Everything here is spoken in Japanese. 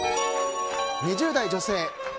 ２０代女性。